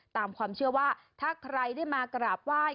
ตามความเชื่อว่าถ้าใครได้มากราบไหว้